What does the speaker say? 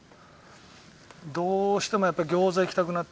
どうしてもやっぱり餃子いきたくなって。